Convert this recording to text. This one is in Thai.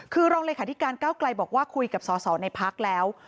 คือรองเลขาธิการเก้าไกลบอกว่าคุยกับสอสอในพักแล้ว